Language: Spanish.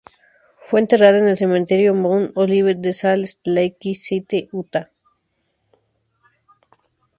Fue enterrada en el Cementerio Mount Olivet de Salt Lake City, Utah.